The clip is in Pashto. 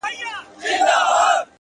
د درد د کيف څکه او ستا دوې خوبولې سترگي”